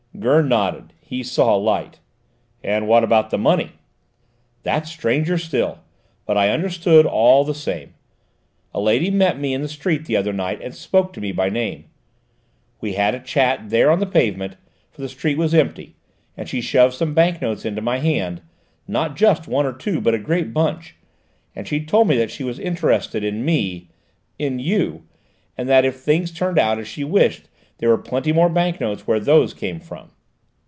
Gurn nodded: he saw light. "And what about the money?" "That's stranger still, but I understood all the same. A lady met me in the street the other night and spoke to me by name. We had a chat there on the pavement, for the street was empty, and she shoved some bank notes in my hand not just one or two, but a great bunch , and she told me that she was interested in me in you , and that if things turned out as she wished there were plenty more bank notes where those came from."